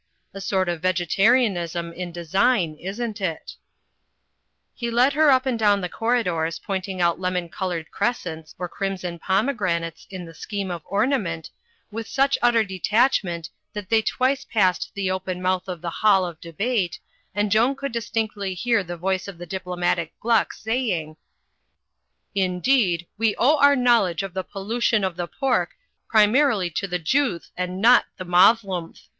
A sort of Vegetarianism in design, isn't it?" He led her up and down the corridors, pointing out lemon coloured crescents or crimson pomegranates in 149 uiymzuuuy ^.w^^iC ISO THE FLYING INN the scheme of ornament, with such uttef detachment that they twice passed the open mouth of the hall of debate, and Joan could distinctly hear the voice of the diplomatic Gluck saying: "Indeed, we owe our knowledge of the pollution of the pork primarily to the Jewth and not the Mothlemth.